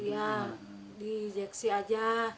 iya di ejeksi aja